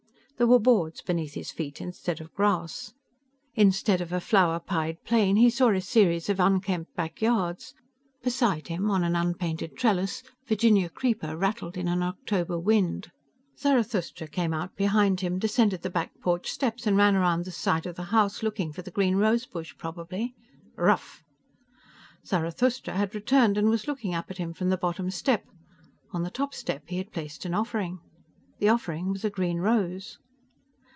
There were boards beneath his feet instead of grass. Instead of a flower pied plain, he saw a series of unkempt back yards. Beside him on an unpainted trellis, Virginia creeper rattled in an October wind. Zarathustra came out behind him, descended the back porch steps and ran around the side of the house. Looking for the green rose bush probably. "Ruf!" Zarathustra had returned and was looking up at him from the bottom step. On the top step he had placed an offering. The offering was a green rose.